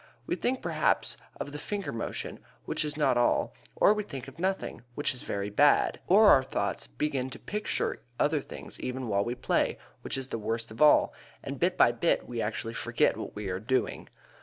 We think perhaps of the finger motion, which is not all; or we think of nothing, which is very bad; or our thoughts begin to picture other things even while we play, which is the worst of all, and bit by bit we actually forget what we are doing.